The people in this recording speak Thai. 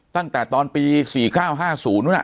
ตั้งแต่ตอนปี๔๙๕๐นู้น